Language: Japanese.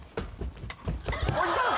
おじさん！